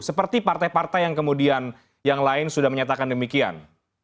seperti partai partai yang kemudian yang lain sudah menyatakan demikian